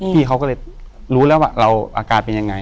พี่เขาก็เลยรู้แล้วว่าเราอาการเป็นยังไง